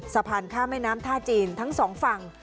สะพานข้ามแม่น้ำท่าจีนทั้งสองฝั่ง